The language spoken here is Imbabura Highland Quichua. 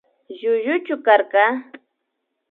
Llullu llukarka